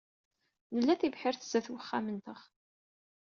Nla tibḥirt sdat uxxam-nteɣ.